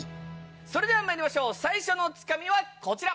それではまいりましょう最初のツカミはこちら！